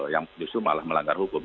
yang justru malah melanggar hukum